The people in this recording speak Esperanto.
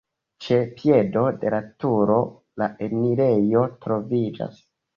Ĉe piedo de la turo la enirejo troviĝas.